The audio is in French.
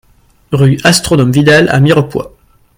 Rue Astronome Vidal à Mirepoix